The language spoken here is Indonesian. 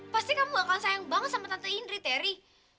pasti kamu gak akan sayang banget sama tante indri terry